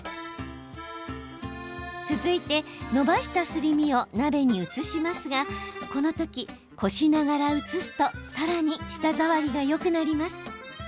続いてのばしたすり身を鍋に移しますがこの時、こしながら移すとさらに舌触りがよくなります。